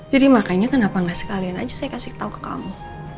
jadi makanya kenapa gak sekalian aja saya kasih tahu ke kamu